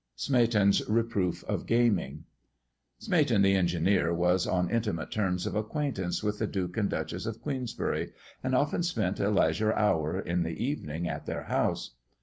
SMEATON'S REPROOF OF GAMING. Smeaton, the engineer, was on intimate terms of acquaintance with the Duke and Duchess of Queensbury, and often spent a leisure hour in the evening at their house.